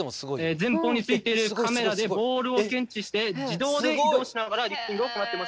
前方についているカメラでボールを検知して自動で移動しながらリフティングを行っています。